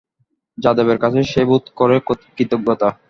যাদবের কাছে সে বোধ করে কৃতজ্ঞতা।